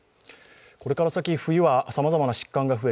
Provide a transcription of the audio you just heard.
これから先、冬はさまざまな疾患が増え